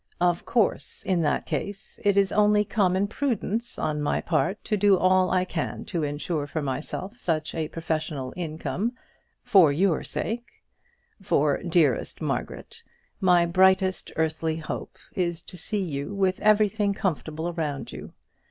Of course, in that case, it is only common prudence on my part to do all I can to insure for myself such a professional income, for your sake. For, dearest Margaret, my brightest earthly hope is to see you with everything comfortable around you.